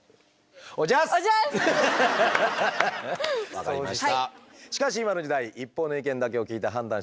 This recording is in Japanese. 分かりました。